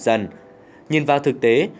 dần nhìn vào thực tế